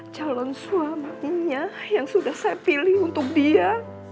calon suaminya yang sudah saya pilih untuk dia